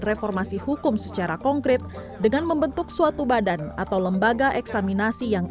reformasi hukum secara konkret dengan membentuk suatu badan atau lembaga eksaminasi yang